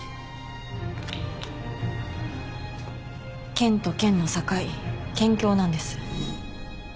県と県の境県境なんです。